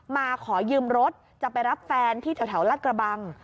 มาขอยืมรถจะไปรับแฟนที่แถวรัฐกระบัง